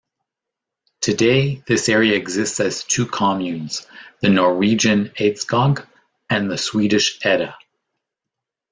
Today, this area exists as two communes: the Norwegian Eidskog and the Swedish Eda.